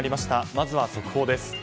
まずは速報です。